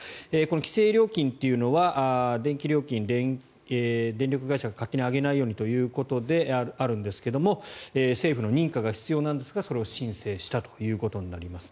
規制料金というのは電気料金電力会社が勝手に上げないようにということであるんですけども政府の認可が必要なんですがそれを申請したということになります。